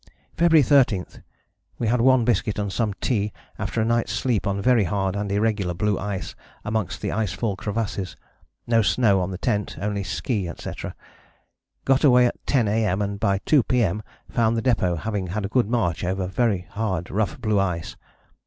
"February 13. We had one biscuit and some tea after a night's sleep on very hard and irregular blue ice amongst the ice fall crevasses. No snow on the tent, only ski, etc. Got away at 10 A.M. and by 2 P.M. found the depôt, having had a good march over very hard rough blue ice.